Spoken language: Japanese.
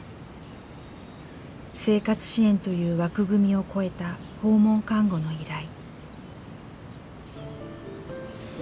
生活支援という枠組みを超えた訪問看護の依頼。